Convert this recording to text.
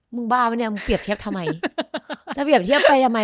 บ้าวะเนี่ยมึงเปรียบเทียบทำไมถ้าเปรียบเทียบไปทำไม